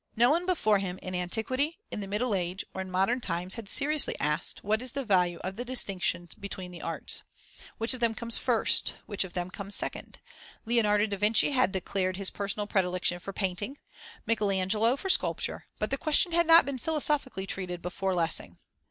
No one before him, in antiquity, in the Middle Age, or in modern times, had seriously asked: What is the value of the distinctions between the arts? Which of them comes first? Which second? Leonardo da Vinci had declared his personal predilection for painting, Michael Angelo for sculpture, but the question had not been philosophically treated before Lessing.